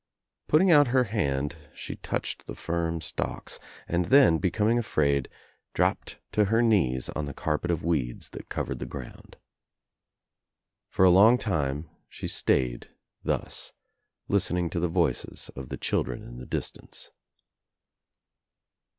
Putting out her hand she touched the firm stalks and then, becoming afraid, ■opped to her knees on the carpet of weeds that cov ■cd the ground. For a long time she stayed thus lis tening to the voices of the children In the distance.